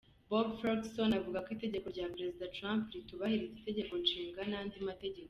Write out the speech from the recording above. Bob Ferguson avuga ko itegeko rya Perezida Trump ritubahiriza itegeko nshinga n’ andi mategeko.